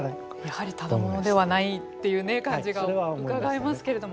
やはり、ただ者ではないという感じがうかがえますけれど。